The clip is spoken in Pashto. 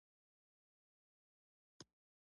په ټیم کې ځینې چلندونه ګټور او ځینې زیان اړونکي وي.